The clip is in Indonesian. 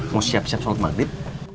mau siap siap sholat maghrib